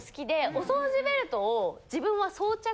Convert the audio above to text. お掃除ベルト？